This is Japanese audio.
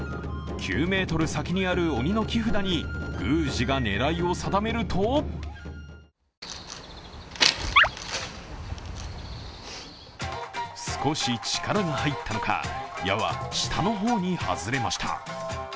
９ｍ先にある鬼の木札に宮司が狙いを定めると少し力が入ったのか、矢は下の方に外れました。